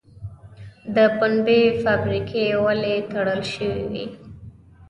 د پنبې فابریکې ولې تړل شوې وې؟